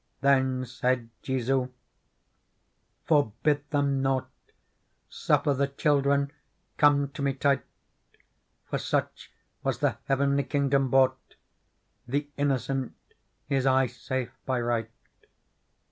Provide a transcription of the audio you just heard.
Then said Jesu :^ Forbid them nought, Suffer the children come to Me tight : For such was the heavenly kingdom bought.' The innocent is aye safe by right.